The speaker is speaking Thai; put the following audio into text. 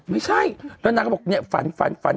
ไม่ใช่แล้วดันน้ากันบอกเนี่ยฟันฟันฟัน